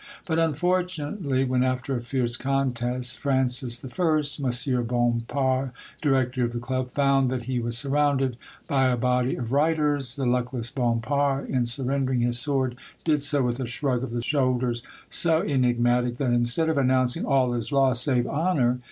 But, unfortunately, when, after a fierce contest, Francis L — Monsieur Bompard, director of the Club — found that he was surrounded by a body of Reiters, the luckless Bompard, in surrendering his sword, did so with a shrug of the shoulders so enigmatic that, instead of announcing *' All is lost save honor